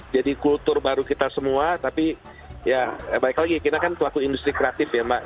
jadi kultur baru kita semua tapi ya baik lagi kita kan kelaku industri kreatif ya mbak